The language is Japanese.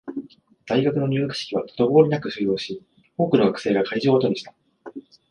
大学の入学式は滞りなく終了し、多くの学生が会場を後にした